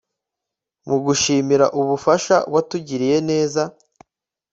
Mugushimira ubufasha watugiriye neza